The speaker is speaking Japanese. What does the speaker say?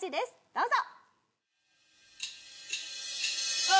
どうぞ。